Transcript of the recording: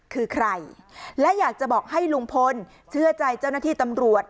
คือใครและอยากจะบอกให้ลุงพลเชื่อใจเจ้าหน้าที่ตำรวจ